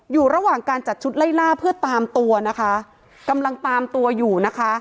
อยู่ระหว่างการจัดชุดไล่ล่าเพื่อตามตัวนะคะกำลังตามตัวอยู่นะคะ